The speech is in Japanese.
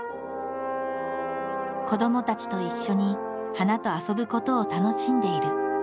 子どもたちと一緒に花と遊ぶことを楽しんでいる。